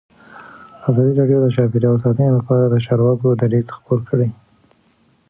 ازادي راډیو د چاپیریال ساتنه لپاره د چارواکو دریځ خپور کړی.